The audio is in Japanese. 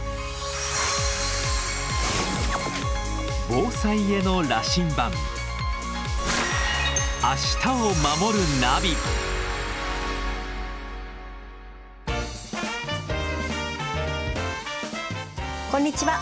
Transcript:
防災への羅針盤こんにちは。